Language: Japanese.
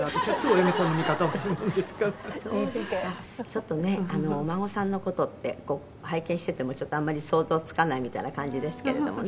「ちょっとねお孫さんの事って拝見しててもちょっとあんまり想像つかないみたいな感じですけれどもね